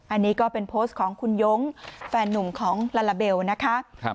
อันนี้ก็เป็นโพสต์ของคุณยงแฟนนุ่มของลาลาเบลนะคะ